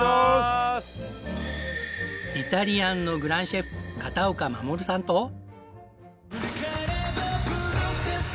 イタリアンのグランシェフ片岡護さんと。